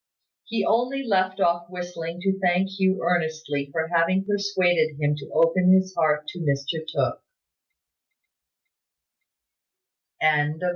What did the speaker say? He only left off whistling to thank Hugh earnestly for having persuaded him to open his heart to Mr Tooke.